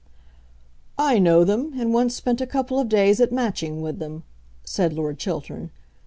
"I know them, and once spent a couple of days at Matching with them," said Lord Chiltern.